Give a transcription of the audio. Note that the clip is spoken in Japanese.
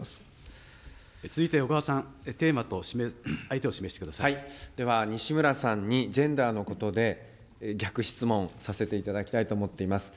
続いて小川さん、テーマと相では西村さんに、ジェンダーのことで逆質問させていただきたいと思っています。